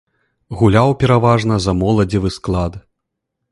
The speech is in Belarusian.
Гуляў пераважна за моладзевы склад.